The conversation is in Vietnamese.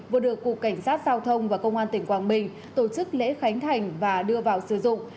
vừa được cục cảnh sát giao thông và công an tỉnh quảng bình tổ chức lễ khánh thành và đưa vào sử dụng